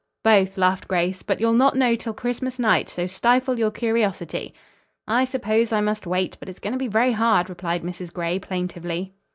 "Both," laughed Grace. "But you'll not know till Christmas night; so stifle your curiosity." "I suppose I must wait, but it's going to be very hard," replied Mrs. Gray plaintively.